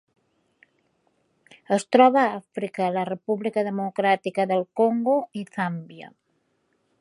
Es troba a Àfrica: la República Democràtica del Congo i Zàmbia.